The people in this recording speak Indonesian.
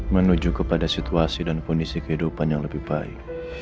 menuju kepada situasi dan kondisi kehidupan yang lebih baik